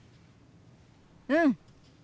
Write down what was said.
うん！